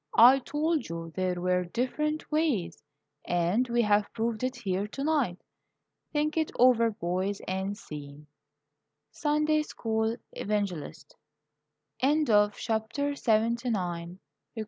I told you there were different ways, and we have proved it here tonight. Think it over, boys, and see." Sunday School Evangelist. JACK'S QUEER WAYS Everybody liked Jack.